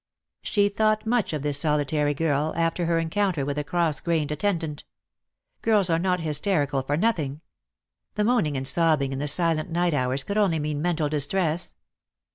She thought much of this solitary girl, after her encounter with the cross grained attendant. Girls are not hysterical for nothing. The moaning and sobbing in the silent night hours could only mean mental distress.